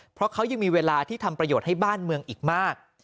เพราะเขายังมีเวลาที่ทำประโยชน์ให้บ้านเมืองอีกมาก